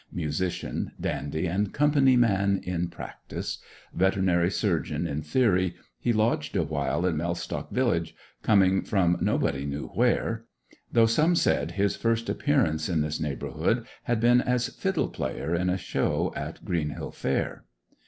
Musician, dandy, and company man in practice; veterinary surgeon in theory, he lodged awhile in Mellstock village, coming from nobody knew where; though some said his first appearance in this neighbourhood had been as fiddle player in a show at Greenhill Fair.